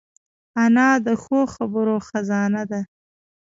انا د ښو خبرو خزانه ده